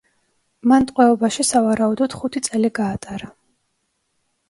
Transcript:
მან ტყვეობაში სავარაუდოდ ხუთი წელი გაატარა.